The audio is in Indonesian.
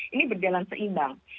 ini berjalan seimbang